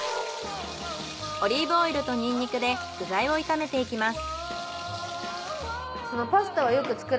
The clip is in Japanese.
オリーブオイルとニンニクで具材を炒めていきます。